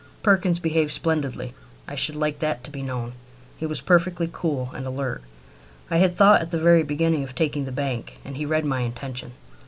Perkins behaved splendidly. I should like that to be known. He was perfectly cool and alert. I had thought at the very beginning of taking the bank, and he read my intention.